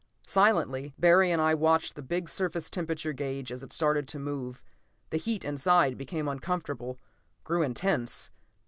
Silently, Barry and I watched the big surface temperature gauge as it started to move. The heat inside became uncomfortable, grew intense.